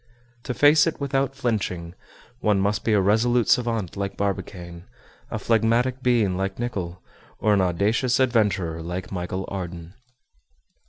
To face it without flinching, one must be a resolute savant like Barbicane, a phlegmatic being like Nicholl, or an audacious adventurer like Michel Ardan.